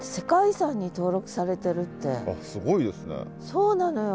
そうなのよ。